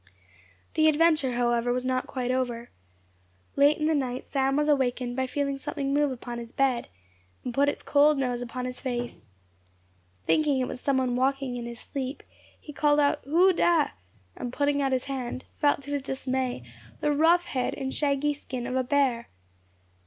The adventure, however, was not quite over. Late in the night Sam was awaked by feeling something move upon his bed, and put its cold nose upon his face. Thinking it was some one walking in his sleep, he called out, "Who dah?" and putting out his hand, felt to his dismay the rough head and shaggy skin of a bear.